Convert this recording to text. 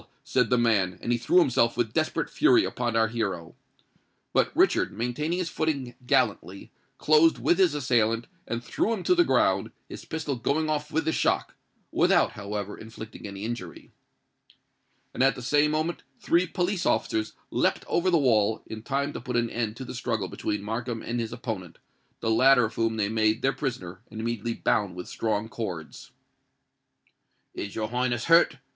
said the man; and he threw himself with desperate fury upon our hero. But Richard, maintaining his footing gallantly, closed with his assailant, and threw him to the ground, his pistol going off with the shock—without, however, inflicting any injury. And at the same moment three police officers leapt over the wall, in time to put an end to the struggle between Markham and his opponent, the latter of whom they made their prisoner and immediately bound with strong cords. "Is your Highness hurt?"